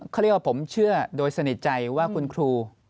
เขาเรียกว่าผมเชื่อโดยสนิทใจว่าคุณครู